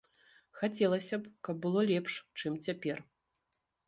Хацелася б, каб было лепш, чым цяпер.